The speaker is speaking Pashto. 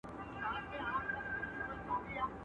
o غر غړې د اوښ عادت دئ.